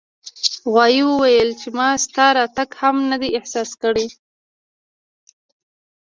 غوایي وویل چې ما ستا راتګ هم نه دی احساس کړی.